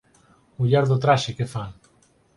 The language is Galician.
Muller do traxe, que fan?